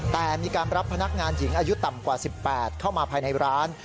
แต่มีการรับพนักงานหญิงอายุต่ำกว่า๑๘เข้ามาภายในร้าน